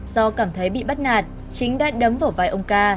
do cảm thấy bị bắt nạt chính đã đấm vào vai ông ca